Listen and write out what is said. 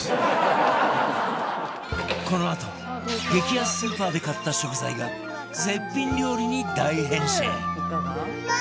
このあと激安スーパーで買った食材が絶品料理に大変身